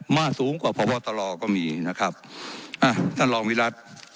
มาสูงกว่าพบตรก็มีนะครับอ่ะท่านรองวิรัติ